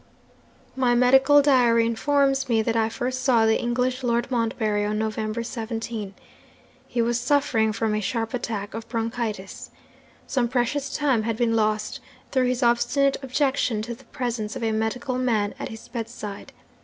'"My medical diary informs me that I first saw the English Lord Montbarry, on November 17. He was suffering from a sharp attack of bronchitis. Some precious time had been lost, through his obstinate objection to the presence of a medical man at his bedside.